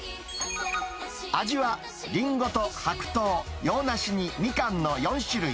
味はリンゴと白桃、洋なしにみかんの４種類。